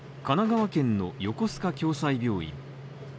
神奈川県の横須賀共済病院。